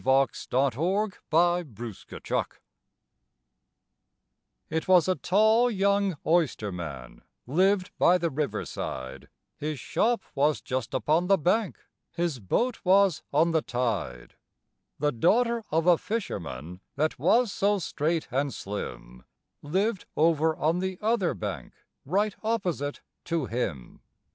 THE BALLAD OF THE OYSTERMAN IT was a tall young oysterman lived by the river side, His shop was just upon the bank, his boat was on the tide; The daughter of a fisherman, that was so straight and slim, Lived over on the other bank, right opposite to him.